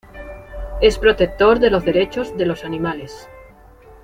Es protector de los derechos de los animales.